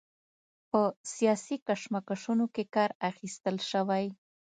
په سیاسي کشمکشونو کې کار اخیستل شوی.